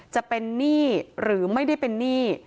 จะเป็นหนี้หรือไม่ได้เป็นหนี้